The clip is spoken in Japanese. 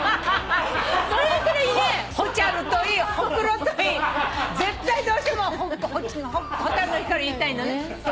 ほチャるといいほクロといい絶対どうしても『蛍の光』言いたいんだね。